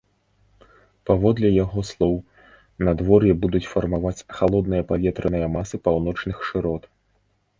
Паводле яго слоў, надвор'е будуць фармаваць халодныя паветраныя масы паўночных шырот.